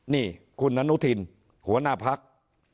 นี่คุณอันนุธินหัวหน้าภักษ์